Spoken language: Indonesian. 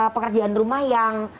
pekerjaan rumah yang